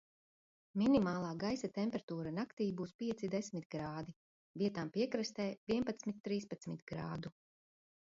Minimālā gaisa temperatūra naktī būs pieci desmit grādi, vietām piekrastē vienpadsmit trīspadsmit grādu.